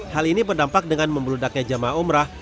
hal ini berdampak dengan membeludaknya jemaah umrah